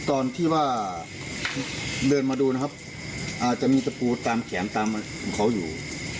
ตอนที่ว่าเดินมาดูนะครับ